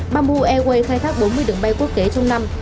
bamboo airways khai thác bốn mươi đường bay quốc tế trong năm